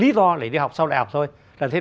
lý do để đi học sau đại học thôi là thế